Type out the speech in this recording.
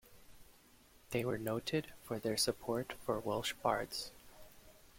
They were noted for their support for Welsh bards.